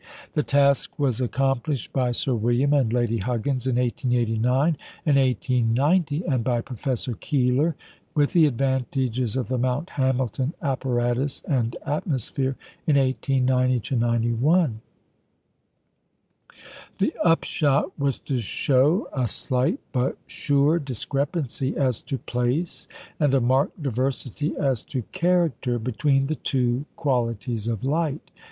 The task was accomplished by Sir William and Lady Huggins in 1889 and 1890, and by Professor Keeler, with the advantages of the Mount Hamilton apparatus and atmosphere, in 1890 91. The upshot was to show a slight but sure discrepancy as to place, and a marked diversity as to character, between the two qualities of light.